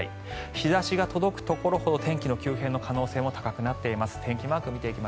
日差しが届くところほど天気の急変の可能性も高くなっています。